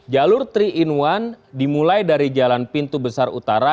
jalur tiga in satu dimulai dari jalan pintu besar utara